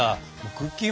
クッキー